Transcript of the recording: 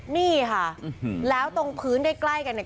นี่ค่ะแล้วตรงพื้นใกล้กันเนี่ย